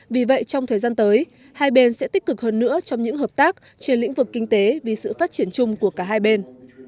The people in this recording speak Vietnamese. vì vậy trong thời gian tới hai bên sẽ tích cực hơn nữa trong những hợp tác trên lĩnh vực kinh tế vì sự phát triển chung của cả hai bên